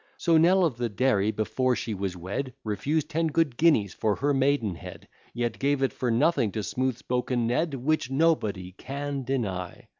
So Nell of the Dairy, before she was wed, Refused ten good guineas for her maidenhead, Yet gave it for nothing to smooth spoken Ned. Which nobody can deny.